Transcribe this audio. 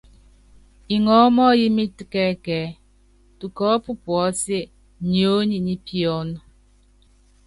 Ŋɔɔ́ mɔ́ɔyimɛt kɛ ɛkɛɛ́, tukɔɔp puɔ́sɛ́ niony ni piɔ́n.